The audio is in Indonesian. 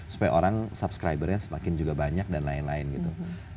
supaya orang subscribernya semakin juga banyak dan lain lain gitu